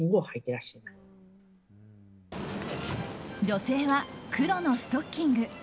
女性は黒のストッキング。